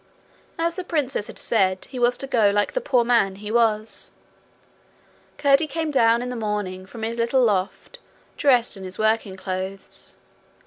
As the princess had said he was to go like the poor man he was, Curdie came down in the morning from his little loft dressed in his working clothes.